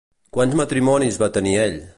Quants matrimonis va tenir ell?